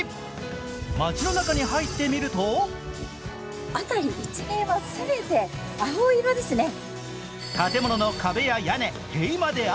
街の中に入ってみると建物の壁や屋根、塀まで青。